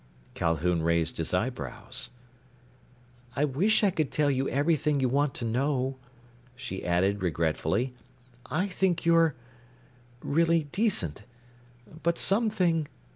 Calhoun raised his eyebrows. "I wish I could tell you everything you want to know," she added regretfully. "I think you're ... really decent. But some thing...."